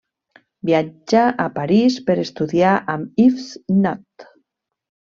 Viatja a París per estudiar amb Ives Nat.